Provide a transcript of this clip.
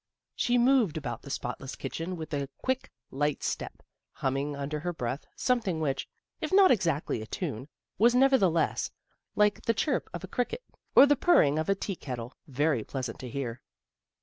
She moved about the spotless kitchen with a quick, light step, humming under her breath something which, if not exactly a tune, was, nevertheless, like the chirp of a cricket, or the purring of a tea kettle, very pleasant to hear.